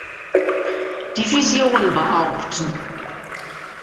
Division behaupten.